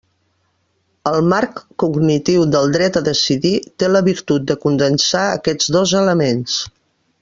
El marc cognitiu del dret a decidir té la virtut de condensar aquests dos elements.